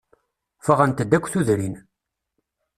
Ffɣent-d akk tudrin.